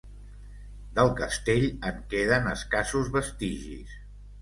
Del castell en queden escassos vestigis.